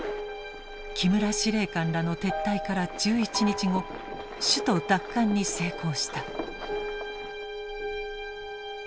木村司令官らの撤退から１１日後首都奪還に成功した。